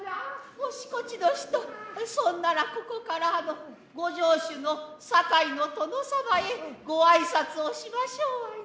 もしこちの人そんならここからあのご城主の酒井の殿様へごあいさつをしましょうわいな。